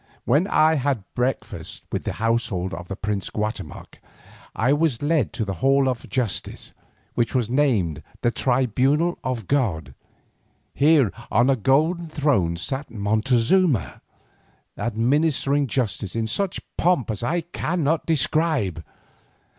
When I had breakfasted with the household of the prince Guatemoc, I was led to the hall of justice, which was named the "tribunal of god." Here on a golden throne sat Montezuma, administering justice in such pomp as I cannot describe.